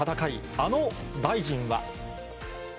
あの大臣は。